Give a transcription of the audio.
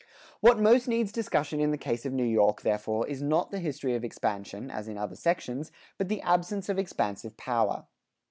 What most needs discussion in the case of New York, therefore, is not the history of expansion as in other sections, but the absence of expansive power.